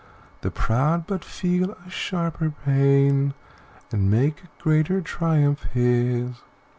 The proud but feel a sharper pain, And make a greater triumph his."